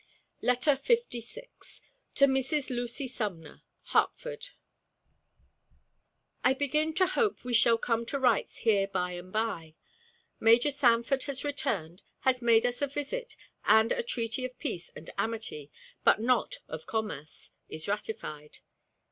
LETTER LVI. TO MRS. LUCY SUMNER. HARTFORD. I begin to hope we shall come to rights here by and by. Major Sanford has returned, has made us a visit, and a treaty of peace and amity (but not of commerce) is ratified.